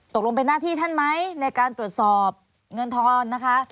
ตกลงเป็นหน้าที่ท่านไหมในการตรวจสอบเงินทอนนะคะ